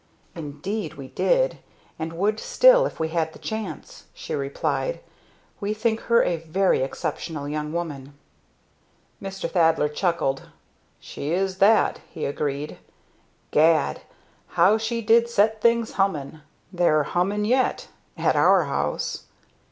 "Indeed we did and would still if we had the chance," she replied. "We think her a very exceptional young woman." Mr. Thaddler chuckled. "She is that!" he agreed. "Gad! How she did set things humming! They're humming yet at our house!"